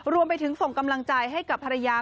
รวมไปถึงส่งกำลังใจให้กับภรรยา